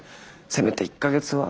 せめて１か月は。